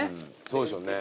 そうでしょうね。